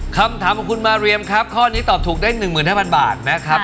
คำถามของคุณมาเรียมครับข้อนี้ตอบถูกได้๑๕๐๐บาทนะครับ